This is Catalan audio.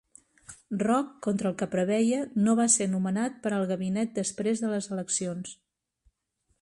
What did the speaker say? Roch, contra el que preveia, no va ser nomenat per al gabinet després de les eleccions.